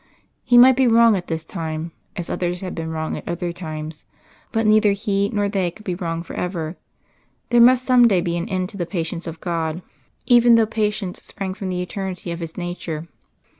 He might be wrong at this time, as others had been wrong at other times, but neither he nor they could be wrong for ever; there must some day be an end to the patience of God, even though that patience sprang from the eternity of His nature.